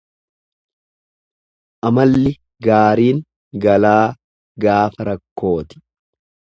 Amalli gaariin galaa gaafa rakkooti.